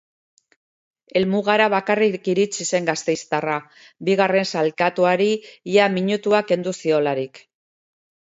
Helmugara bakarrik iritsi zen gasteiztarra, bigarren sailkatuari ia minutua kendu ziolarik.